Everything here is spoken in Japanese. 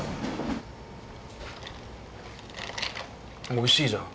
おいしいじゃん。